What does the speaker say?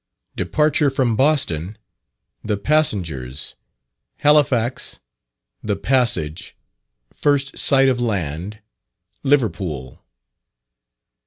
_Departure from Boston the Passengers Halifax the Passage First Sight of Land Liverpool.